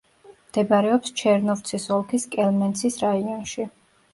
მდებარეობს ჩერნოვცის ოლქის კელმენცის რაიონში.